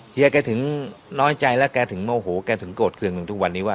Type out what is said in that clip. เฮียแกถึงน้อยใจแล้วแกถึงโมโหแกถึงโกรธเครื่องถึงทุกวันนี้ว่า